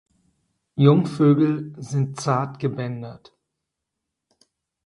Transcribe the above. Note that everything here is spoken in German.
Jungvögel sind zart gebändert.